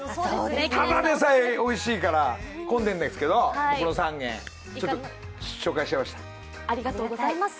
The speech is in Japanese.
ただでさえおいしいから、混んでるんですけど、この３軒、紹介しちゃいました。